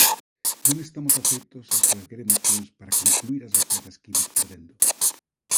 Non estamos afeitos a soerguer emocións para concluir as batallas que imos perdendo.